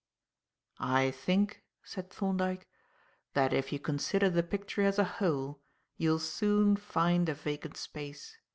"I think," said Thorndyke, "that if you consider the picture as a whole, you will soon find a vacant space.